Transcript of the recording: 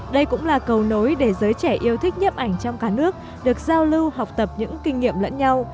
đây cũng là cầu nối để giới trẻ yêu thích nhấp ảnh trong cả nước được giao lưu học tập những kinh nghiệm lẫn nhau